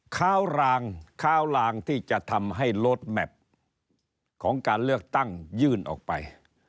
ค้ารางค้าวลางที่จะทำให้ลดแมพของการเลือกตั้งยื่นออกไป